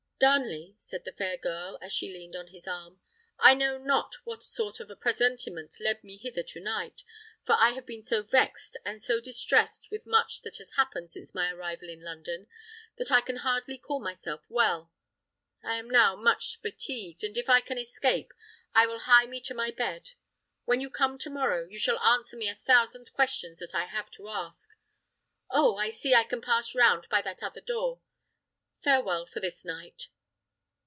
"Darnley," said the fair girl, as she leaned on his arm, "I know not what sort of presentiment led me hither to night, for I have been so vexed and so distressed with much that has happened since my arrival in London, that I can hardly call myself well. I am now much fatigued, and if I can escape, I will hie me to my bed. When you come to morrow, you shall answer me a thousand questions that I have to ask. Oh! I see I can pass round by that other door. Farewell for this night!"